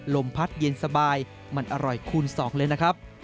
ลมพัดเย็นสบายมันอร่อยคูณสองเลยนะครับ